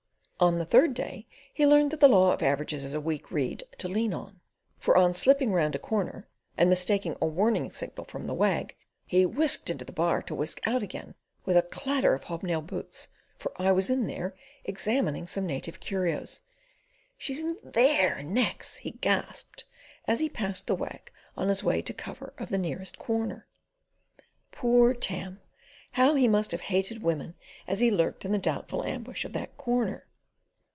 On the third day he learned that the law of averages is a weak reed to lean on; for on slipping round a corner, and mistaking a warning signal from the Wag, he whisked into the bar to whisk out again with a clatter of hobnailed boots, for I was in there examining some native curios. "She's in THERE next," he gasped as he passed the Wag on his way to the cover of the nearest corner. "Poor Tam!" How he must have hated women as he lurked in the doubtful ambush of that corner.